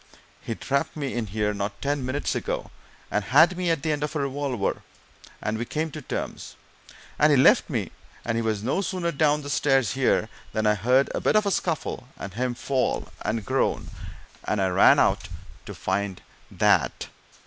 He trapped me in here, not ten minutes ago, and had me at the end of a revolver, and we came to terms, and he left me and he was no sooner down the stairs here than I heard a bit of a scuffle, and him fall and groan, and I ran out to find that!